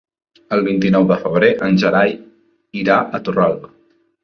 El vint-i-nou de febrer en Gerai irà a Torralba.